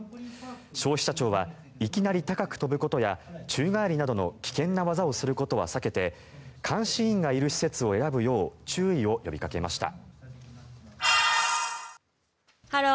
消費者庁はいきなり高く跳ぶことや宙返りなどの危険な技をすることは避けて監視員がいる施設を選ぶよう注意を呼びかけました。